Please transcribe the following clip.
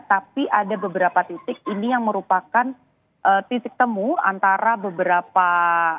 tapi ada beberapa titik ini yang merupakan titik temu antara beberapa